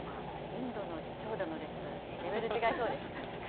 インドの長蛇の列は、レベル違いそうです。